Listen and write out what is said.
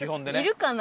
いるかな？